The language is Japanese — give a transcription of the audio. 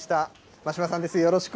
眞島さんです。